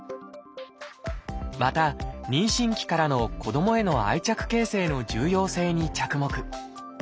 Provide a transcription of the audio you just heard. また妊娠期からの子どもへの愛着形成の重要性に着目。